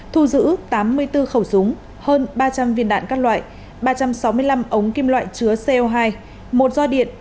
thu giữ tám mươi bốn khẩu súng hơn ba trăm linh viên đạn các loại ba trăm sáu mươi năm ống kim loại chứa co hai một do điện